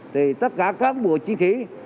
thì tất cả cán bộ chiến sĩ